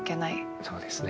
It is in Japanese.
そうですね。